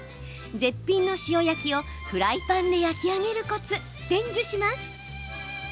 絶品の塩焼きをフライパンで焼き上げるコツ伝授します。